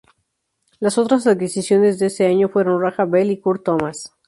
Las otras adquisiciones de este año fueron Raja Bell y Kurt Thomas.